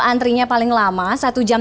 antrinya paling lama satu jam